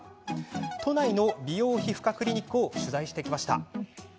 都内の美容皮膚科クリニックを取材しました。